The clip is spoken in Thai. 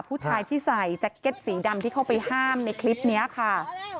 ผู้ชายที่ใส่แจ็คเก็ตสีดำที่เข้าไปห้ามในคลิปนี้ค่ะ